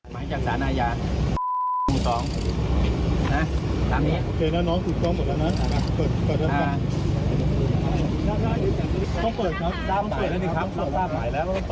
พี่อ่านหมายแล้วนะ